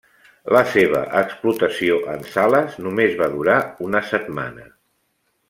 La seva explotació en sales només va durar una setmana.